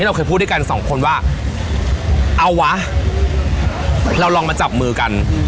เราเคยพูดด้วยกันสองคนว่าเอาวะเราลองมาจับมือกัน